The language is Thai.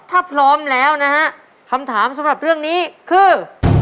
ถ้าพร้อมแล้วนะฮะคำถามสำหรับเรื่องนี้คือ